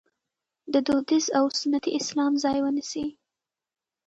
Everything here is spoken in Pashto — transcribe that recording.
د دودیز او سنتي اسلام ځای ونیسي.